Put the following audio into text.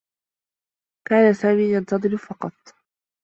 كان سامي ينتظر فقط.